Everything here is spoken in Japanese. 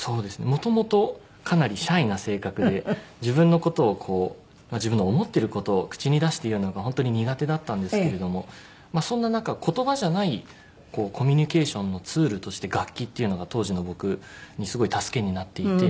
もともとかなりシャイな性格で自分の事をこう自分の思ってる事を口に出して言うのが本当に苦手だったんですけれどもそんな中言葉じゃないコミュニケーションのツールとして楽器っていうのが当時の僕にすごい助けになっていて。